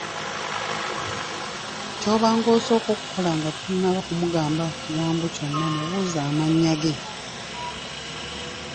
Ky’obanga osooka okukola nga tonnaba kumugamba kigambo kyonna mubuuze amannya ge.